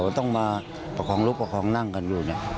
ต้องมาประคองลูกประคองนั่งกันอยู่เนี่ย